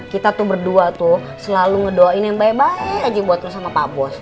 kita tuh berdua tuh selalu ngedoain yang baik baik aja buat bersama pak bos